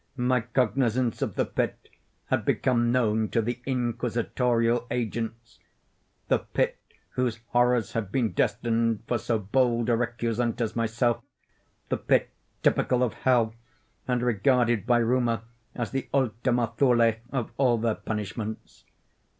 My cognizance of the pit had become known to the inquisitorial agents—the pit, whose horrors had been destined for so bold a recusant as myself—the pit, typical of hell, and regarded by rumor as the Ultima Thule of all their punishments.